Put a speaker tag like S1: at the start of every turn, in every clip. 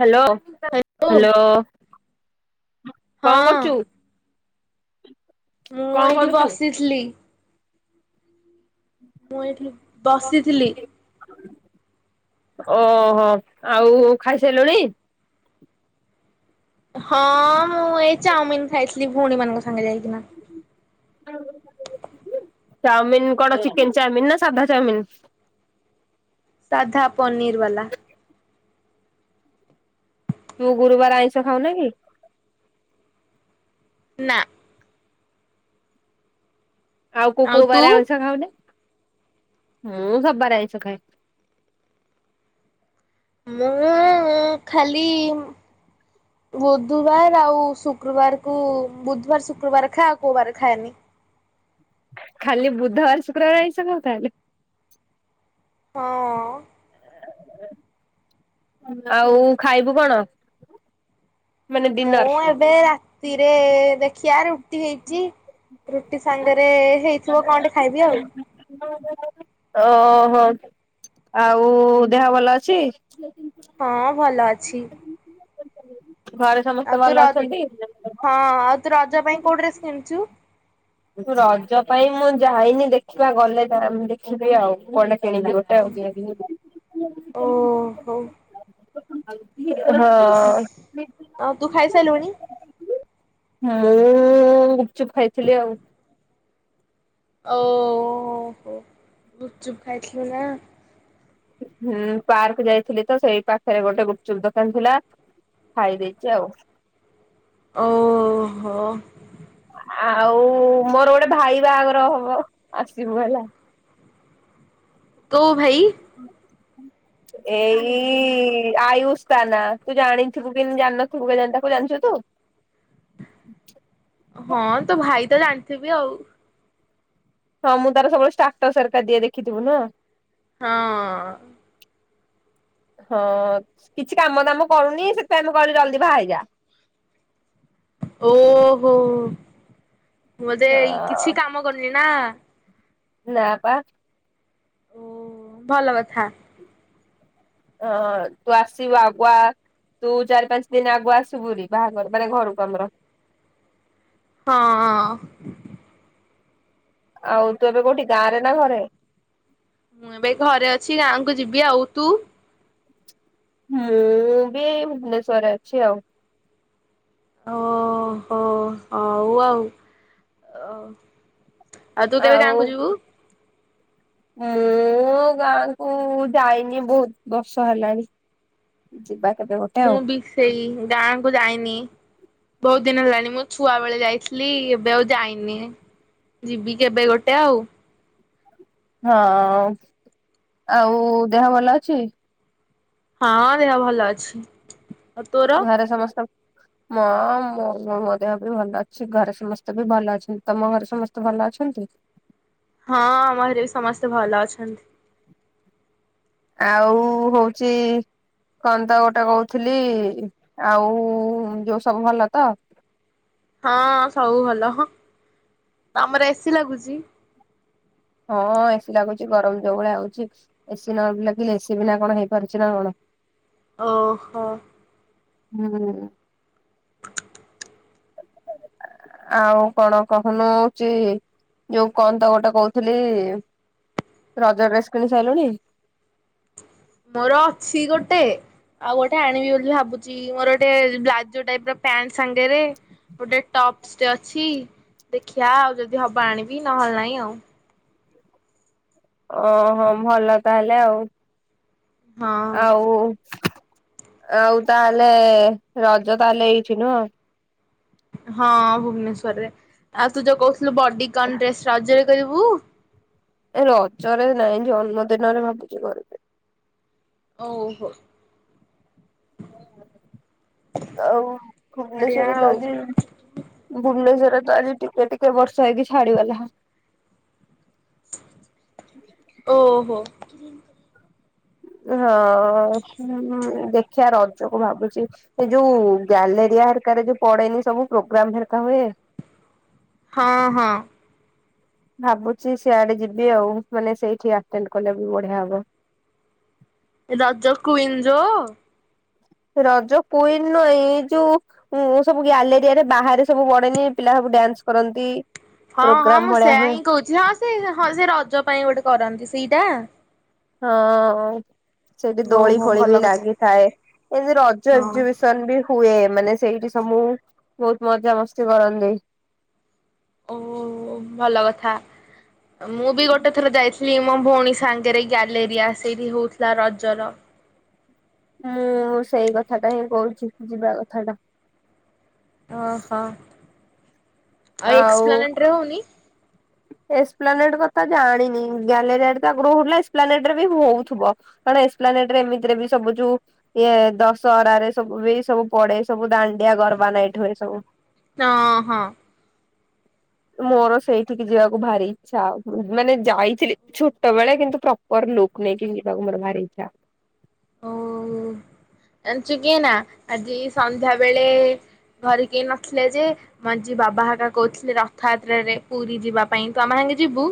S1: Hello. Hello. କଣ
S2: ହଁ
S1: କରୁଚୁ?
S2: ମୁଁ ଏଇଠି ବସିଥିଲି। ମୁଁ ଏଇଠି ବସିଥିଲି
S1: ଓ ହୋ ଆଉ ଖାଇସାରିଲୁଣି?
S2: ହଁ। ମୁଁ ଏଇ ଚାଉମିିନ ଖାଇଥିଲି ଭଉଣୀ ମାନଙ୍କ ସାଙ୍ଗେ ଯାଇକିନା।
S1: ଚାଉମିିନ କଣ ଚିକେନ ଚାଉମିିନ ନା ସାଧା ଚାଉମିିନ?
S2: ସାଧା ପନିରୀ ଵାଲା।
S1: ତୁ ଗୁରୁବାର ଆଇଁଷ ଖାଉନ କି?
S2: ନାଁ।
S1: ଆଉ କୋଉ କୋଉ ବରା ଆଇସ ଖାଉନା ମୁଁ ସବୁବାରେ ଆଇଁସ ଖାଏ।
S2: ମୁଁ ଖାଲି ବୁଧବାର ଆଉ ଶୁକ୍ରବାରକୁ ବୁଧବାର ଶୁକ୍ରବାର ଖାଏଆଉ କୋଉ ବାର ଖାଏନି
S1: ଖାଲି ବୁଧବାର ଶୁକ୍ରବାର ଆଇସ ଖାଉ ତାହେଲେ
S2: ହଁ।
S1: ଆଉ ଖାଇବୁ କଣ? ମାନେ ଡିନର?
S2: ମୁଁ ଏବେ ରାତିରେ ଦେଖି ରୁ ରଟି ହେଇଛି ରୁଟି ସାଙ୍ଗରେ ରେ ହେଇଥିବ କଣ ଟେ ଖାଇବି ଆଉ
S1: ଓହୋ ଆଉ ଦେହ ଭଲ ଅଛି?
S2: ହଁ ଭଲ ଅଛି।
S1: ଘରେ
S2: ଆଉ
S1: ସମସ୍ତ
S2: ତୁ
S1: ଭଲ
S2: ର
S1: ଅଛନ୍ତି?
S2: ହଁ ଆଉ ତୁ ରଜ ପାଇଁ କୋଉ ଡ୍ରେସ୍ କିଣିଛୁ?
S1: ତୁ ରଜ ପାଇଁ ମୁଁ ଯାଇନି ଦେଖିବା ଗଲେ ଦାମ୍ ଦେଖିବି ଆଉ କୁଆଡ଼େ କିଣିବି ଗୋଟେ ଆଉ
S2: ଓହୋ
S1: ଆଉ ଟିଏ ହଁ।
S2: ଆଉ ତୁ ଖାଇସାରିଲୁଣି?
S1: ହଉ ଚୁପ ଖାଇଥିଲି ଆଉ।
S2: ଓ ହୋ ଗୁପଚୁପ ଖାଇଥିଲୁ ନାଁ?
S1: ହୁଁ ପାର୍କ ଯାଇଥିଲି ତ ସେଇ ପାଖରେ ଗୋଟେ ଗୁପଚୁପ ଦୋକାନ ଥିଲା ଖାଇ ଦେଇଚି ଆଉ।
S2: ଓ ହୋ।
S1: ଆଉ ମୋର ଗୋଟେ ଭାଇ ବାହାଘର ହବ ଆସିବୁ ହେଲା।
S2: କୋଉ ଭାଇ?
S1: ଏଇ ଆୟୁସ୍ ତା ନା ତୁ ଜାଣିଥିବୁ କି ଜାଣିନଥିବୁ କେଜାଣି। ତାକୁ ଜାଣିଚୁ ତୁ?
S2: ହଁ ତୋ ଭାଇ ତ ଜାଣିଥିବି ଆଉ।
S1: ହଁ ମୁଁ ତାର ସବୁବେଳେ ଷ୍ଟାଟସ୍ ହେରିକା ଦିଏ ଦେଖିଥିବୁ ନୁହଁ।
S2: ହଁ।
S1: ହଁ କିଛି କାମ ଦାମ କରୁନି ସେଥିପାଇଁ ଆମେ କହିଲୁ ଜଲଦି ବାହାହେଇଯା।
S2: ଓହୋ। ମୋ ଦେଇ କିଛି କାମ କରନି ନାଁ।
S1: ନାଁ ପା।
S2: ଓ ଭଲ କଥା।
S1: ହଁ ତୁ ଆସିବୁ ଆଗୁଆ ତୁ ଚାରି ପାଞ୍ଚ ଦିନ ଆଗୁଆ ଆସିବୁରି ବାହାଘର ମାନେ ଘରକୁ ଆମର।
S2: ହଁ।
S1: ଆଉ ତୁ ଏବେ କୋଉଠି ଗାଁରେ ନାଁ ଘରେ?
S2: ମୁଁ ଏବେ ଘରେ ଅଛି ଗାଁକୁ ଯିବି ଆଉ। ତୁ?
S1: ମୁଁ ବି ଭୁବନେଶ୍ଵର ଅଛି ଆଉ‌।
S2: ଓ ହୋ ହଉ ଆଉ। ଅ ଆଉ ତୁ କେବେ
S1: ଆଉ
S2: ଗାଁକୁ ଯିବୁ?
S1: ମୁଁ ଗାଁକୁ ଯାଇନି ବୋହୁତ ବର୍ଷ ହେଲାଣି ଯିବା। କେବେ ଗୋଟେ
S2: ମୁଁ
S1: ଆଉ
S2: ବି ସେଇ ଗାଁକୁ ଯାଇ ନି ବୋହୁତ ଦିନ ହେଲାଣି ମୁଁ ଛୁଆ ବେଳେ ଯାଇଥିଲି ଏବେ ଆଉ ଯାଇନି ଯିବି କେବେ ଗୋଟେ ଆଉ।
S1: ହଁ। ଆଉ ଦେହ ଭଲ ଅଛି?
S2: ହଁ। ଦେହ ଭଲ ଅଛି। ଆଉ ତୋର?
S1: ମ ମୋ-ମୋ-ମୋ ଦେହ ବି ଭଲ ଅଛି‌ ଘରେ ସମସ୍ତେ ବି ଭଲ ଅଛନ୍ତି। ତମ ଘରେ ସମସ୍ତେ ଭଲ ଅଛନ୍ତି?
S2: ହଁ ଆମ ହରେ ବି ସମସ୍ତେ ଭଲ ଅଛନ୍ତି।
S1: ଆଉ ହୋଉଚି କନ୍ତ ଗୋଟେ କଉଥୁଲି ଆଉ ଯୋଉ ସବୁ ଭଲ ତ?
S2: ହଁ ସବୁ ଭଲ ହଁ ତମର ଏ ସି ଲାଗୁଚି?
S1: ହଁ ଏ ସି ଲାଗୁଚି ଗରମ ଯୋଉ ଭଳିଆ ଅଉଚି ଏ ସି ନ ଲାଗିଲେ ଏ ସି ବିନା କଣ ହେଇ ପାରୁଚି ନାଁ କଣ?
S2: ଓହୋ।
S1: ହୁଁ। ଆଉ କଣ କହୁନୁ ହଉଛି ଯୋଉ କହନ୍ତ ଗୋଟେ କହୁଥିଲି ରଜ ଡ୍ରେସ କିଣି ସାରିଲୁଣି?
S2: ମୋର ଅଛି ଗୋଟେ। ଆଉ ଗୋଟେ ଆଣିବି ବୋଲି ଭାବୁଛି ମୋର ଗୋଟେ ବ୍ଲାଜୋ ଟାଇପ ର ପ୍ୟାଣ୍ଟ ସାଙ୍ଗରେ ଗୋଟେ ଟପ୍ସଟେ ଅଛି ଦେଖିବା ଆଉ ଯଦି ହବ ଆଣିବି ନହେଲେ ନହିଁ ଆଉ।
S1: ଓହୋ ଭଲ ତାହେଲେ ଆଉ।
S2: ହଁ
S1: ଆଉ ଆଉ ତାହେଲେ ରଜ ତାହେଲେ ଏଟି ନୁ।
S2: ହଁ ଭୁବନେଶ୍ଵରରେ ଆଉ ତୁ ଯଉ କହୁଥିଲୁ ବଡି ଗ ଡଷ୍ଟ ରାଜରେ କରିବୁ।
S1: ଏ ରଜରେ ନାଇଁ ଜନ୍ମଦିନରେ ଭାବୁଛି ଘିବେ।
S2: ଓହୋ
S1: ଆଉ
S2: ବଢିଆ
S1: ଭୁବନେଶ୍ଵର ତ
S2: ଆଉ
S1: ଆଜି ଭୁବନେଶ୍ଵର ତ ଆଜି ଟିକେ ଟିକେ ବର୍ଷ ହେଇକି ଛାଡିଗଲା।
S2: ଓହୋ [inaudible]
S1: ହଁ ଦେଖିବା ରଜକୁ ଭାବୁଛି ଏ ଯୋଉ ଗ୍ୟାଲେରିଆର ଯୋଉ ପଡେନି। ସବୁ ପ୍ରୋଗ୍ରାମରକା ହୁଏ।
S2: ହଁ ହଁ
S1: ଭାବୁଛି ସିଆଡେ ଯିବି ଆଉ ମାନେ ସେଇଠିେ ଆଟେଣ୍ଟ କଲେ ବି ବଢିଆ ହବ।
S2: ଏ ରଜ କୁଇନଜୋ
S1: ରଜ କୁଇନ ନୁହେଁ ଏଇ ଯୋଉ ସବୁ ଗ୍ୟାଲେରିଆରେ ବାହାରେ ସବୁ ବଡେନି ପିଲା ସବୁ ଡ୍ୟାନ୍ସ କରନ୍ତି।
S2: ହଁ ହଁ
S1: ପ୍ରୋଗ୍ରାମ
S2: ମୁଁ
S1: ଭଳିଆ
S2: ସେୟା
S1: ହୁଏ
S2: ହିଁ କହୁଛି ହଁ ସେ ହଁ ସେ ରଜ ପାଇଁ ଗୋଟେ କରନ୍ତି ସେଇ ସେଇଟା।
S1: ହଁ ସେଇଠି ଦୋଳି
S2: ଓହୋ
S1: ଖୋଳି
S2: ଭଲ
S1: ବି
S2: କଥା।
S1: ଲାଗିଥାଏ ଏମିତି ରଜ
S2: ହଁ
S1: ଏକ୍ଜିିବିସନ ବି ହୁଏ ମାନେ ସେଇଠି ସବୁ ବହୁତ ମଜା ମସ୍ତି କରନ୍ତି।
S2: ଓ ହୋ ଭଲ କଥା ମୁଁ ବି ଗୋଟେ ଥର ଯାଇଥିଲି ମୋ ଭଉଣୀ ସାଙ୍ଗରେ ଗ୍ୟାଲେରିଆ ସେଇଠି ହଉଥିଲା ରଜର।
S1: ମୁଁ ସେଇ କଥାଟା ହିଁ କହୁଛି ଯିବା କଥା ଟା।
S2: ଓ ହୋ ଆ ଏକ୍ସପ୍ଲେନଟରେ ହଉନି?
S1: ଏସପ୍ଲାନେଟ କଥା ଜାଣିନି ଗଲେ ତ ଆଗ୍ର ଏସପ୍ଲାନେଟ ରେ ବି ହଉଥିବ କାରଣ ଏସପ୍ଲାନେଟ ରେ ଏମିତିରେ ବି ସବୁ ଯୋଉ ଇ ଦଶହରାରେ ସବୁ ବି ସବୁ ପଡେ ସବୁ ଦା ଡିିଆ ଗର୍ବ ନାଇ ଏଠୁ ଏ ସବୁ। ମୋର ସେଇଠିକି ଯିବାକୁ ଭାରି ଇଛା ମାନେ ଯାଇଥିଲି ଛୋଟ ବେଳେ କିନ୍ତୁ ପ୍ରପର ଲୁକ୍ ନେଇକି ଯିବାକୁ ମୋର ଭାରି ଇଛା।
S2: ଓ ଜଣିଛୁ କିଏ ନା ଆଜି ସନ୍ଧ୍ୟାବେେଳେ ଘର କେହି ନଥିଲେ ଯେ ମଞ୍ଜି ବାବା ହକା କହୁଥିଲେ ରଥଯାତ୍ରାରେ ପୁରୀ ଯିବା ପାଇଁ ତୁ ଆମ ସାଙ୍ଗେ ଯିବୁ?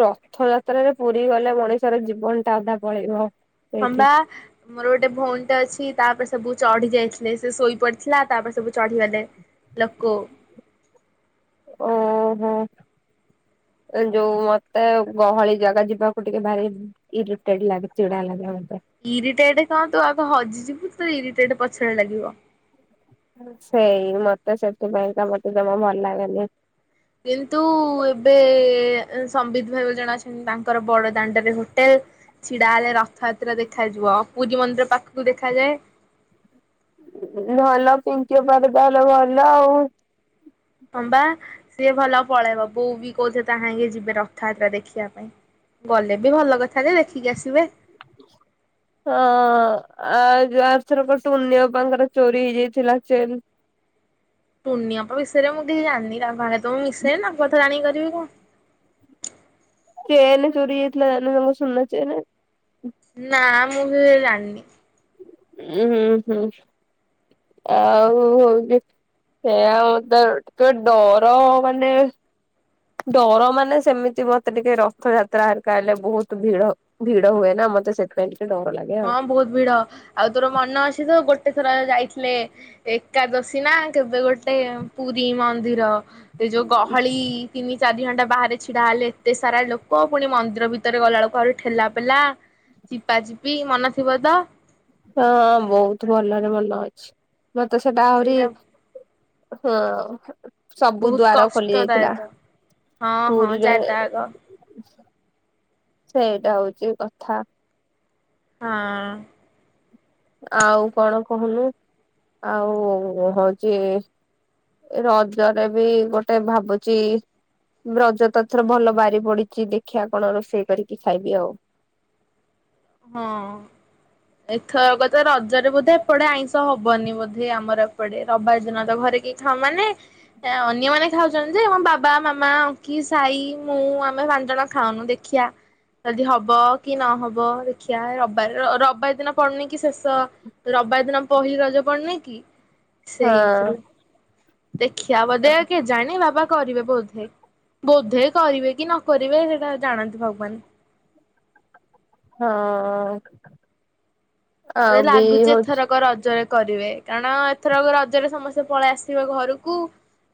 S1: ରଥ ଯାତ୍ରରେ ପୁରୀ ଗଲେ ମଣିଷର ଜୀବନ ଟା ଅଧା ପଳେଇବ।
S2: ହଁ ବା
S1: ସେଇଠି
S2: ମୋର ଗୋଟେ ଭଉଣୀଟା ଅଛି। ତାପରେ ସବୁ ଚଢି ଯାଇଥିଲେ ସେ ଶୋଇ ପଡିଥିଲା ତାପରେ ସବୁ ଚଢିଗଲେ ଲୋକ।
S1: ଓହୋ ଯୋଉ ମତେ ଗହଳି ଜାଗା ଯିବାକୁ ଟିକେ ଭାରି ଇରିଟେଡ ଲାଗେ ଚିଡା ଲାଗେ ମ।
S2: ଇରିଟେଟ କଣ ତୁ ଆଗ ହଜିଯିବୁ ତ ଇରି ପଛରେ ଲାଗିବ।
S1: ସେଇ ମତେ ସେଥିପାଇଁ ତ ମତେ ଜମା ଭଲ ଲାଗନି।
S2: କିନ୍ତୁ ଏବେ ସମ୍ବିତ ଭାଇ ଜଣା ତାଙ୍କର ବଡ ଦାଣ୍ଡରେ ହୋଟେଲ ଛିଡା ହେଲେ ରଥଯାତ୍ରା ଦେଖାଯିବ ପୁରୀ ମନ୍ଦିର ପାଖକୁ ଦେଖାଯାଏ
S1: ଭଲ ଫିଙ୍କ ପରିବାର ଭଲ ଆଉ
S2: ହବା ସିଏ ଭଲ ପଳେଇବ ବୋଉ ବି କହୁଥିଲେ ତାହାକ ଯିବେ ରଥଯାତ୍ରା ଦେଖିବା ପାଇଁ ଗଲେ ବି ଭଲ କଥା ଯେ ଦେଖିକି ଆସିବେ
S1: ହଁ ଆ ଆରଥର ବର୍ଷ କୁନି ଅପାଙ୍କର ଚୋରି ହେଇଯାଇଥିଲା ଚେନ୍
S2: ଟୁଣନି ଆପ ବିସରେ ମୁଁ କିଛି ଜାଣିନି। ତା ଭ ତଁ ମିଶେଇ ନା କଥ ଟାଣି କରିବି କଣ
S1: ସେ ଏେ ଚୋରି ହେଥିଲା ସଙ୍କୁ ଶନନାଛେ।
S2: ନା ମୁଗନୀ
S1: ଉଁ ହୁଁ ହୁଁ ଆଉ ହଉଛି ସେଉ ତ ଡର ମାନେ ଡର ମାନେ ସେମିତି ମତେ ଟିକେ ରଥଯାତ୍ରା ହରିକା ହେଲେ ବହୁତ ଭିଡ ଭିଡ ହୁଏ ନା ମତେ ସେଥିପାଇଁ ଟ
S2: ହଁ ବହୁତ ଭିଡ ଆଉ ତୋର ମନ ଅଛି ତ ଗୋଟେ ଗୋଟେ ଥର ଯାଇଥିଲେ ଏକାଦଶୀ ନା କେବେ ଗୋଟେ ପୁରୀ ମନ୍ଦିର। ସେ ଯୋଉ ଗହଳି ତିନି ଚାରି ଘଣ୍ଟା ବାହାରେ ଛିଡ଼ା ହେଲେ ଏତେ ସାରା ଲୋକ ପୁଣି ମନ୍ଦିର ଭିତରେ ଗଲାବେଳକୁ ଆହୁରି ଠେଲାପେଲା ଚିପା ଚିପ ବି ମନ ଶିବଦା
S1: ହଁ ବହୁତ ଭଲରେ ମନ ଅଛି। ମତେ ସେଟ ଆହୁରି
S2: ସେଇଟା
S1: ହଁ। ସବୁ
S2: ବହୁତ
S1: ଦ୍ଵାର ଖୋଲି ଯାଇଥିଲା
S2: କଷ୍ଟଦାୟକ ହଁ ହଁ
S1: ପୁରୀରେ
S2: ଚାରିଟ ଆକ
S1: ସେଇଟା ହଉଛି କଥା।
S2: ହଁ।
S1: ଆଉ କଣ କହୁନୁ ଆଉ ହଉଛି ରଜରେ ବି ଗୋଟେ ଭାବୁଛି ରଜ ତ ଥର ଭଲ ବାରି ପଡିଛି ଦେଖିବା କଣ ରୋଷେଇ କରିକି ଖାଇବି ଆଉ।
S2: ହଁ ଏଥର କଥା ରଜରେ ବୋଧେ ଏପଟେ ଆଇଁଷ ହବନି ବୋଧେ ଆମର ଏପଟେ ରବାର ଦିନ ତ ଘରେ କେହି ଖାଉ ମାନେ ଅନ୍ୟମାନୋନେ ଖାଉଛନ୍ତି। ଯେ ଆମ ବାବା ମାମା କି ସାଇ ମୁଁ ଆମେ ପାଞ୍ଚ ଜଣ ଖାଉନୁ ଦେଖିଆ ଯଦି ହବ କି ନହବ ଶଖିଆ ରବାର ରବାର ଦିନ ପଡନି କି ଶେଷ ରବାର ଦିନ ପହିଲି ରଜ ପଡନି କି
S1: ହଁ
S2: ସେଇଥିରୁ ଦେଖିବାଆ ବୋଧେ କେ ଜାଣି ବାବା କରିବେ ବୋଧେ ବୋଧେ କରିବେ କି ନ କରିବେ ସେଇଟା ଜାଣନ୍ତି ଭଗବାନ।
S1: ହଁ। ଆଉ
S2: ମ
S1: ବି
S2: ଲାଗୁଚ
S1: ହଉଛି
S2: ଏଥରକ ରଜରେ କରିବେ କାରଣ ଏଥର ରଜରେ ସମସ୍ତେ ପଳେଇ ଆସିବେ ଘରକୁ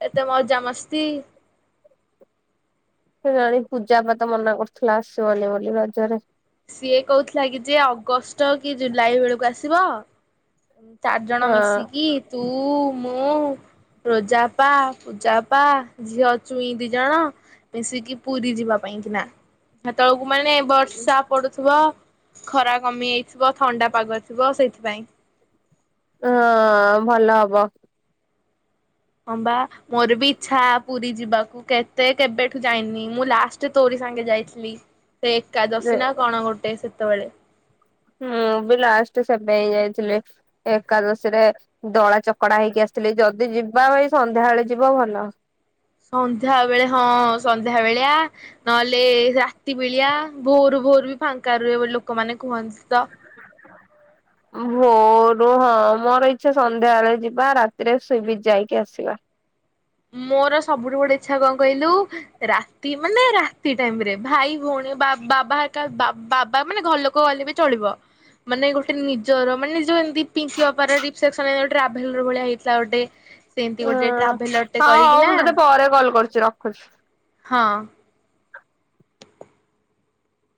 S2: ଏତେ ମଜ ମସ୍ତି
S1: ସେ ଜାଣି ପୂଜା ପାାତ ମନା କରୁଥିଲା ଆସିବନି ବୋଲି ନଜରରେ
S2: ସିଏ କହୁଥିଲା କି ଯେ ଅଗଷ୍ଟ କି ଜୁଲାଇ ବେଳକୁ ଆସିବ। ଚାରି ଜଣ
S1: ହଁ
S2: ମିଶିକି ତୁ ତୁ ମୁଁ ରୋଜାପ ପୂଜାପ ଝିଅ ଅଛୁଇଁ ଦି ଜଣ ମିଶିକି ପୁରୀ ଯିବା ପାଇଁକିନା ସେତେବେଳକୁ ମାନେ ବଟସଆପ୍ ଖରା କମି ଯାଇଥିବ ଥଣ୍ଡା ପାଗ ଥିବ ସେଇଥିପାଇଁ।
S1: ହଁ ଭଲ ହବ।
S2: ହଁ ବା ମୋର ବି ଇଚ୍ଛା ପୁରୀ ଯିବାକୁ। କେତେ କେବେଠୁ ଯାଇନି ମୁଁ ଲାଷ୍ଟ ତୋରି ସାଙ୍ଗେ ଯାଇଥିଲି। ସେ ଏକା ଦଶନା କଣ ଗୋଟେ ସେ ତବଳେ
S1: ମୁଁ ବି ଲାଷ୍ଟ ସେବେ ହି ଯାଇଥିଲି। ଏକାଦଶୀରେ ଦଳା ଚକଡା ହେଇକି ଆସିଥିଲି ଯଦି ଯିବା ଭାଇ ସନ୍ଧ୍ୟା ବଳେ ଯିବା ଭଲ।
S2: ସନ୍ଧ୍ୟା ବେଳେ ହଁ ସନ୍ଧ୍ୟା ବେଳିଆ ନହେଲେ ରାତି ବିଳିଆ ଭୋର ଭୋର ବି ଫାଙ୍କା ରୁହେ ଲୋକମାନେ କୁହନ୍ତି ତ
S1: ଭୋରୁ ହଁ ମୋର ଇଚଛା ସନ୍ଧ୍ୟାବେଳେ ଯିବା ରାତିରେ ସୁବିଚ ଯାଇକି ଆସିବା।
S2: ମୋର ସବୁଠୁ ବଡେ ଇଚ୍ଛା କଣ କହିଲୁ ରାତି ମାନେ ରାତି ଟାଇମରେ ଭାଇ ଭଉଣୀ ବାବା ବାବା ମାନେ ଘର ଲୋକ ଗଲେ ବି ଚଳିବ ମାନେ ଗୋଟେ ନିଜର ମାନେଉ ଏମିତି ପିଙ୍କ ବାପାର୍ରାଭେଲ ଭଳିଆ ହେଇଥିଲା ଗୋଟେ ସେମିତି
S1: ହଁ
S2: ଗୋଟେ ଟ୍ରାଭେଲର।
S1: ହଁ
S2: କରିକି
S1: ହଉ
S2: ନା।
S1: ମୁଁ ତୋତେ ପରେ କଲ୍ କରୁଛି ରଖୁଛି।
S2: ହଁ।